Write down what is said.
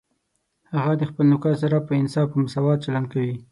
هغه د خپل نوکر سره په انصاف او مساوات چلند کوي